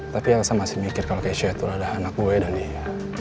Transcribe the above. tapi elsa masih mikir kalau keisha itu adalah anak gue dan dia